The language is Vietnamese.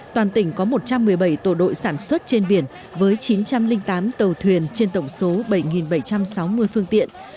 toàn tỉnh có một trăm một mươi bảy tổ đội sản xuất trên biển với chín trăm linh tám tàu thuyền trên tổng số bảy bảy trăm sáu mươi phương tiện